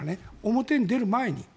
表に出る前に。